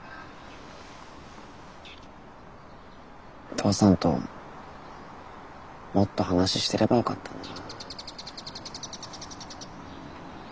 父さんともっと話してればよかったな。